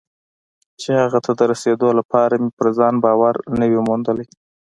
چې هغه ته د رسېدو لپاره مې پر ځان باور نه وي موندلی.